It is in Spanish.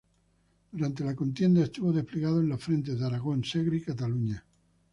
Durante la contienda estuvo desplegado en los frentes de Aragón, Segre y Cataluña.